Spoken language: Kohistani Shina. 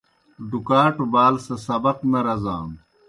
ڈُکاٹوْ بال سہ سبق نہ رزانوْ۔